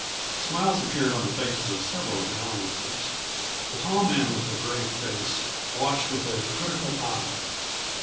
Smiles appeared on the faces of several of the onlookers. The tall man with the grave face watched with a critical eye.